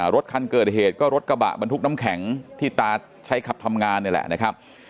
รถคันเกิดเหตุก็รถกระบะบรรทุกน้ำแข็งที่ตาใช้ขับทำงานนี่แหละนะครับ